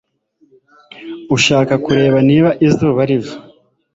ushaka kureba niba izuba riva